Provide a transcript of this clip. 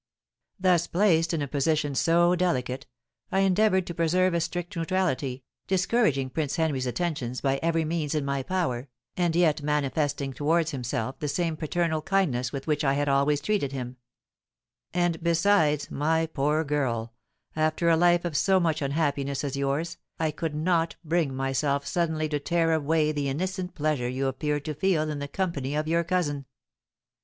"Thus placed in a position so delicate, I endeavoured to preserve a strict neutrality, discouraging Prince Henry's attentions by every means in my power, and yet manifesting towards himself the same paternal kindness with which I had always treated him; and besides, my poor girl, after a life of so much unhappiness as yours, I could not bring myself suddenly to tear away the innocent pleasure you appeared to feel in the company of your cousin.